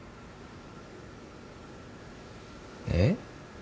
えっ？